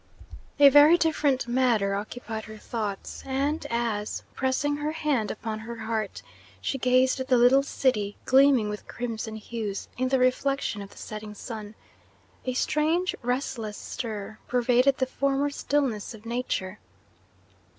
A very different matter occupied her thoughts, and as, pressing her hand upon her heart, she gazed at the little city, gleaming with crimson hues in the reflection of the setting sun, a strange, restless stir pervaded the former stillness of Nature.